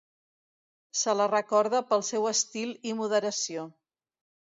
Se la recorda pel seu estil i moderació.